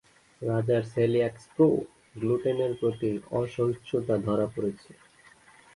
রাজার coeliac sprue, গ্লুটেনের প্রতি অসহিষ্ণুতা ধরা পড়েছে।